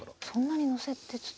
そんなにのせて。